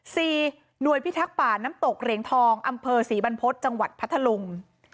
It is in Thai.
หน่วยพิทักษ์ป่าน้ำตกเหรียงทองอำเภอศรีบรรพฤษจังหวัดพัทธลุง